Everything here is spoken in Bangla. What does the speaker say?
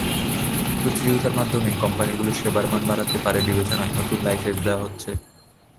প্রতিযোগিতার মাধ্যমে কোম্পানিগুলোর সেবার মান বাড়তে পারে বিবেচনায় নতুন লাইসেন্স দেওয়া হচ্ছে।